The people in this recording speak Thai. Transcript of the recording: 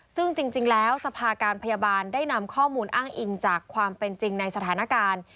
ซึ่งจริงแล้วสภาการพยาบาลได้นำข้อมูลอ้างอิงจากความเป็นจริงในสถานการณ์